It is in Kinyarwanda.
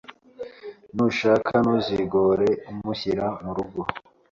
nushaka ntuzigore umushyira mu rugo